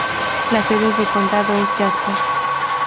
La sede de condado es Jasper.